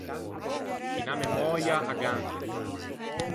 Chi n’à memöia, à gambe.